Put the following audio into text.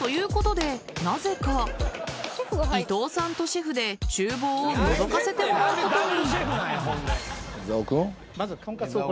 ということでなぜか伊藤さんとシェフで厨房をのぞかせてもらうことに。